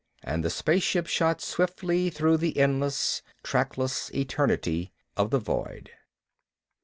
And the spaceship shot swiftly through the endless, trackless eternity of the void....